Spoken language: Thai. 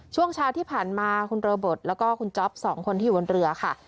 ช่วงเช้าที่ผ่านมาคุณโรบทและคุณจ๊อป๒คนที่อยู่บนเรือค่ะ